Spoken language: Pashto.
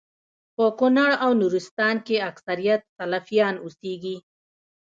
په کونړ او نورستان کي اکثريت سلفيان اوسيږي